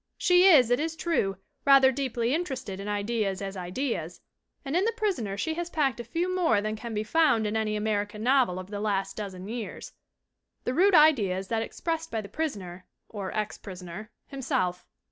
She is, it is true, rather deeply interested in ideas as ideas, and in The Prisoner she has packed a few more than can be found in any American novel ALICE BROWN 15 of the last dozen years. The root idea is that ex pressed by the prisoner or ex prisoner himself.